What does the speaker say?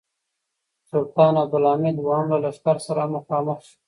د سلطان عبدالحمید دوهم له لښکر سره هم مخامخ شو.